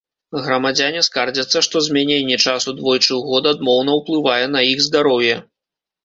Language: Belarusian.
Грамадзяне скардзяцца, што змяненне часу двойчы ў год адмоўна ўплывае на іх здароўе.